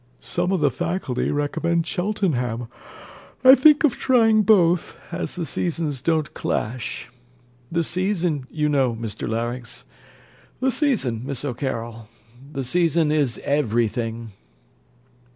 Some of the faculty recommend Cheltenham. I think of trying both, as the seasons don't clash. The season, you know, Mr Larynx the season, Miss O'Carroll the season is every thing.